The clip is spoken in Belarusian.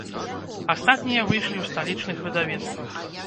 Астатнія выйшлі ў сталічных выдавецтвах.